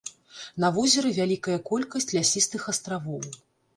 На возеры вялікая колькасць лясістых астравоў.